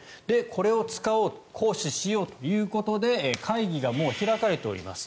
これを使おう行使しようということで会議がもう開かれております。